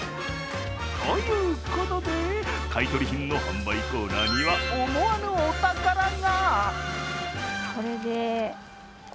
ということで、買い取り品の販売コーナーには思わぬお宝が。